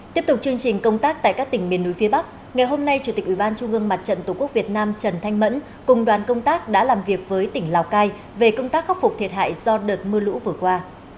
tiếp tục chương trình công tác tại các tỉnh miền núi phía bắc ngày hôm nay chủ tịch ủy ban trung ương mặt trận tổ quốc việt nam trần thanh mẫn cùng đoàn công tác đã làm việc với tỉnh lào cai về công tác khắc phục thiệt hại do đợt mưa lũ vừa qua